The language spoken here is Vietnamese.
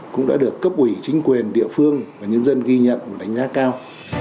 cũng đã được cấp ủy chính quyền địa phương và nhân dân ghi nhận và đánh giá cao